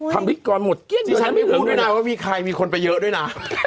วิกรหมดดิฉันไม่รู้ด้วยนะว่ามีใครมีคนไปเยอะด้วยนะ